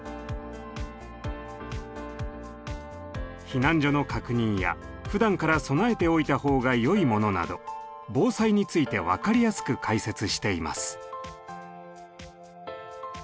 避難所の確認やふだんから備えておいた方がよいものなど防災について分かりやすく解説しています。